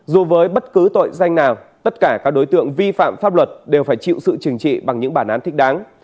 dù với bất cứ tội danh nào tất cả các đối tượng vi phạm pháp luật đều phải chịu sự trừng trị bằng những bản án thích đáng